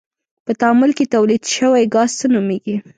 په تعامل کې تولید شوی ګاز څه نومیږي؟